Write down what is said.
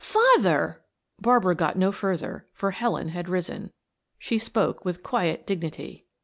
"Father!" Barbara got no further, for Helen had risen. She spoke with quiet dignity.